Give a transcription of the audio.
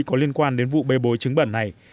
có liên quan đến vụ bê bối chứng bẩn này